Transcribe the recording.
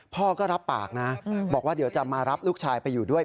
พ่อก็รับปากนะบอกว่าเดี๋ยวจะมารับลูกชายไปอยู่ด้วย